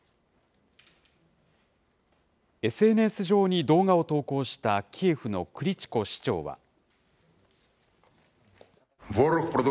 ＳＮＳ上に動画を投稿したキエフのクリチコ市長は。